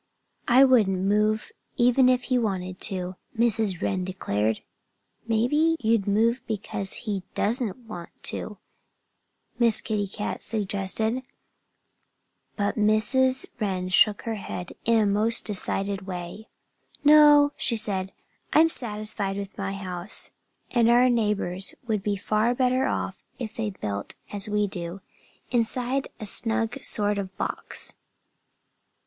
"I wouldn't move, even if he wanted to," Mrs. Wren declared. "Maybe you'd move because he doesn't want to," Miss Kitty Cat suggested. But Mrs. Wren shook her head in a most decided way. "No!" she said. "I'm satisfied with my house. And our neighbors would be far better off if they built as we do, inside a snug sort of box."